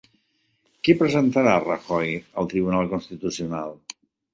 Què presentarà Rajoy al Tribunal Constitucional?